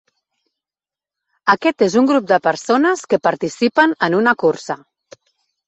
Aquest és un grup de persones que participen en una cursa.